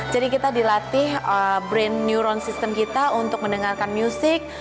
jadi kita dilatih sistem neuron brain kita untuk mendengarkan musik